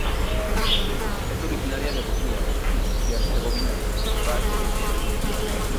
Es originaria de Bosnia y Herzegovina, en Croacia y en Eslovenia.